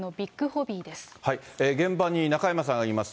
現場に中山さんがいます。